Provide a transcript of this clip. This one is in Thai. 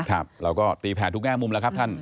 ครับเราก็ตีแผนทุกแง่มุมแล้วครับท่าน